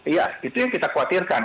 iya itu yang kita khawatirkan